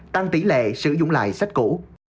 tăng tỷ lệ sử dụng lại sách cũ